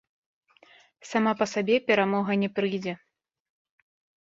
Сама па сабе перамога не прыйдзе.